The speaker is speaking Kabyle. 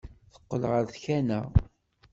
Teqqel ɣer tkanna.